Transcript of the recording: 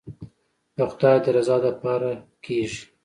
د خداى د رضا دپاره کېګي.